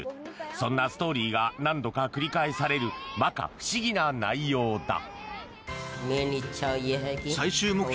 そんなストーリーが何度か繰り返される摩訶不思議な内容だ。